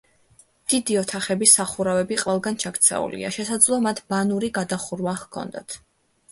დიდი ოთახების სახურავები ყველგან ჩაქცეულია, შესაძლოა მათ ბანური გადახურვა ჰქონდათ.